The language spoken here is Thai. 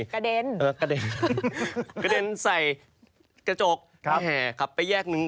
กระเด้นเออกระเด้นใส่กระจกครับแห่ขับไปแยกหนึ่ง